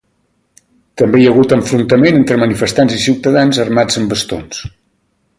També hi ha hagut enfrontaments entre manifestants i ciutadans armats amb bastons.